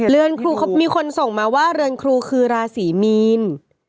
เรือนครูเขามีคนส่งมาว่าเรือนครูคือราศีมีน